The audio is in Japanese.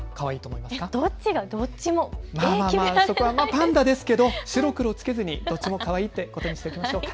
パンダですけど白黒つけずにどっちもかわいいということにしておきましょう。